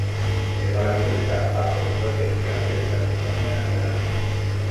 El barrio está bajo la protección del patrimonio nacional.